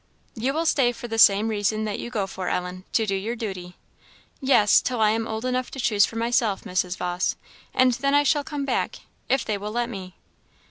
"You will stay for the same reason that you go for, Ellen, to do your duty." "Yes, till I am old enough to choose for myself, Mrs. Vawse, and then I shall come back if they will let me."